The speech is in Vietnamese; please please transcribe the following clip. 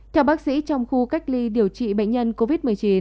theo bác sĩ trong khu cách ly điều trị bệnh nhân covid một mươi chín